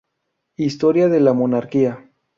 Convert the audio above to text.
Historia de la Monarquía".